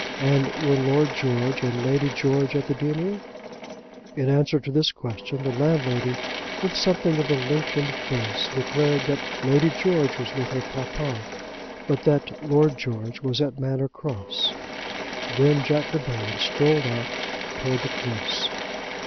And were Lord George and Lady George at the deanery? In answer to this question, the landlady with something of a lengthened face declared that Lady George was with her papa, but that Lord George was at Manor Cross. Then Jack De Baron strolled out towards the Close.